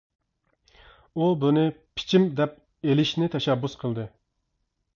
ئۇ بۇنى «پىچىم» دەپ ئېلىشنى تەشەببۇس قىلدى.